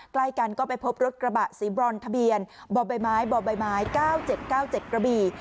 ใกล้กันก็ไปพบรถกระบะสีบรอนทะเบียนบ่อใบไม้บ่อใบไม้๙๗๙๗กระบี่